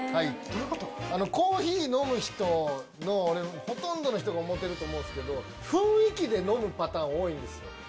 コーヒー飲む人のほとんどの人が思ってると思うんですけど、雰囲気で飲むパターン多いんですよ。